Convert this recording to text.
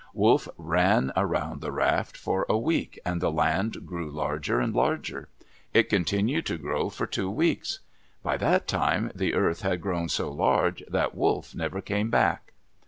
Wolf ran around the raft for a week, and the land grew larger and larger. It continued to grow for two weeks. By that time the earth had grown so large that Wolf never came back.